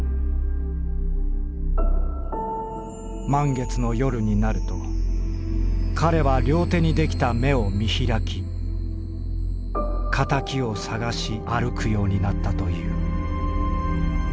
「満月の夜になると彼は両手にできた目を見開き仇を探し歩くようになったという」。